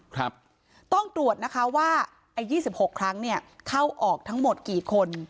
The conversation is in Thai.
ครับต้องตรวจนะคะว่าไอ้ยี่สิบหกครั้งเนี่ยเข้าออกทั้งหมดกี่คน